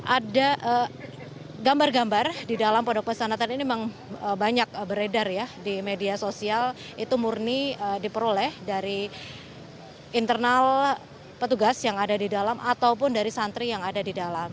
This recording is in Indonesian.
ada gambar gambar di dalam pondok pesantrenatan ini memang banyak beredar ya di media sosial itu murni diperoleh dari internal petugas yang ada di dalam ataupun dari santri yang ada di dalam